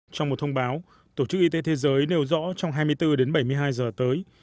trong một thông báo tổ chức y tế thế giới nêu rõ trong hai mươi bốn đến bảy mươi hai giờ tới